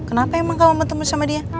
kenapa emang kamu mau temen sama dia